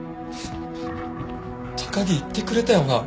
高木言ってくれたよな？